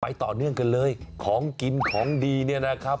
ต่อเนื่องกันเลยของกินของดีเนี่ยนะครับ